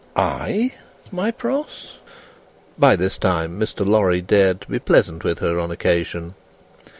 "I, my Pross?" (By this time, Mr. Lorry dared to be pleasant with her, on occasion.)